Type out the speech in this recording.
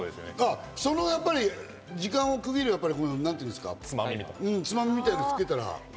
その時間を区切るつまみみたいなのをつけたら。